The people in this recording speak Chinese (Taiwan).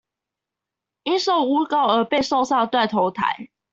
因受誣告而被送上斷頭臺